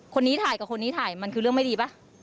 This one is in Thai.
คนนี้ถ่ายกับคนนี้ถ่ายมันคือเรื่องไม่ดีป่ะ